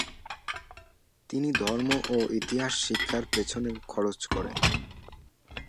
তিনি ধর্ম ও ইতিহাস শিক্ষার পেছনে খরচ করেন।